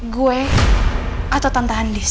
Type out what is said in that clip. gue atau tante andis